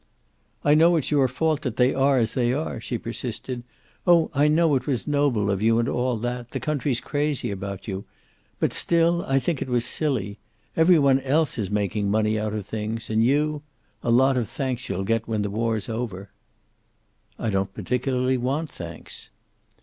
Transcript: "I know it's your fault that they are as they are," she persisted. "Oh, I know it was noble of you, and all that. The country's crazy about you. But still I think it was silly. Every one else is making money out of things, and you a lot of thanks you'll get, when the war's over." "I don't particularly want thanks."